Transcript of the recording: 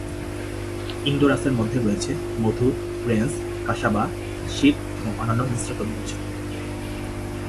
ইনডোরাসের মধ্যে রয়েছে মধু, Crenshaw, cassava, শীত এবং অন্যান্য মিশ্র তরমুজ।